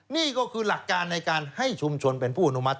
นี่ก็คือหลักการในการให้ชุมชนเป็นผู้อนุมัติ